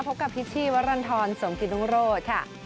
พบกับพิชชี่วรรณฑรสมกิตรุงโรธค่ะ